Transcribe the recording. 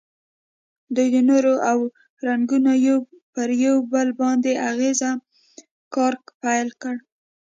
دوی د نور او رنګونو پر یو بل باندې اغیزې کار پیل کړ.